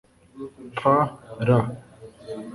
p r